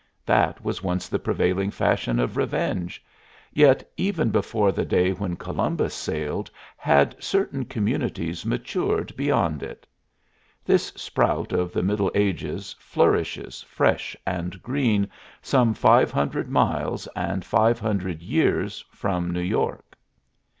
That was once the prevailing fashion of revenge. Yet even before the day when Columbus sailed had certain communities matured beyond it. This sprout of the Middle Ages flourishes fresh and green some five hundred miles and five hundred years from New York.